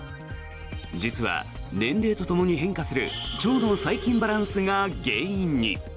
実は年齢とともに変化する腸の細菌バランスが原因に。